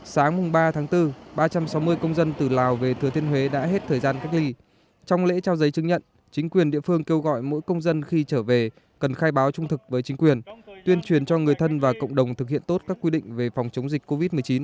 sáng ba bốn ba trăm sáu mươi công dân từ lào về thừa thiên huế đã hết thời gian cách ly trong lễ trao giấy chứng nhận chính quyền địa phương kêu gọi mỗi công dân khi trở về cần khai báo trung thực với chính quyền tuyên truyền cho người thân và cộng đồng thực hiện tốt các quy định về phòng chống dịch covid một mươi chín